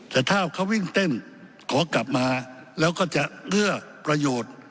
แต่ถ้าเขาวิ่งเต้นขอกลับมาแล้วก็จะเอื้อประโยชน์